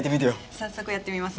早速やってみます